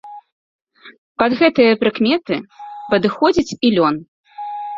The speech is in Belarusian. Пад гэтыя прыкметы падыходзіць і лён.